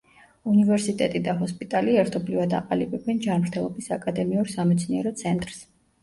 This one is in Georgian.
უნივერსიტეტი და ჰოსპიტალი ერთობლივად აყალიბებენ ჯანმრთელობის აკადემიურ სამეცნიერო ცენტრს.